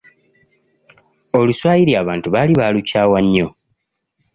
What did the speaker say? Oluswayiri abantu baali baalukyawa nnyo.